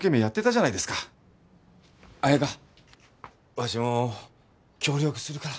わしも協力するから。